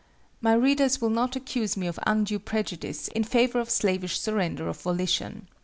My readers will not accuse me of undue prejudice in favor of slavish surrender of volition.